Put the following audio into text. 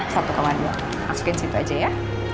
satu koma dua masukin situ aja ya